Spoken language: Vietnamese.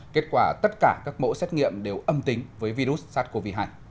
kết quả tất cả các mẫu xét nghiệm đều âm tính với virus sars cov hai